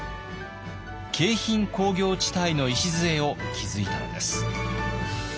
京浜工業地帯の礎を築いたのです。